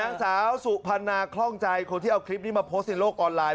นางสาวสุพรรณาคล่องใจคนที่เอาคลิปนี้มาโพสต์ในโลกออนไลน